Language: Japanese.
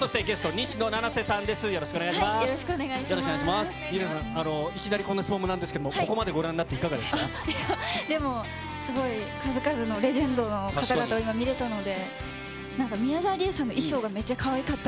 西野さん、いきなりこんな質問もなんですけど、ここまでご覧になでも、すごい数々のレジェンドの方々を今、見れたので。